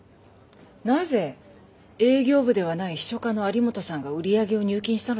なぜ営業部ではない秘書課の有本さんが売り上げを入金したのですか？